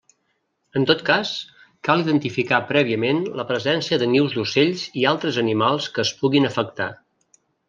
En tot cas, cal identificar prèviament la presència de nius d'ocells i altres animals que es puguin afectar.